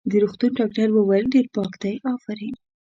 د روغتون ډاکټر وویل: ډېر پاک دی، افرین.